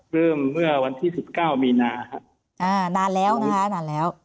เริ่มเมื่อวันที่๑๙มีนาค่ะนานแล้วนะคะ